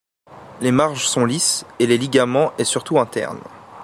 Les marges sont lisses et le ligament est surtout interne.